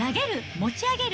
持ち上げる！